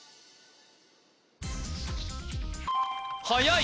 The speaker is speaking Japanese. はやい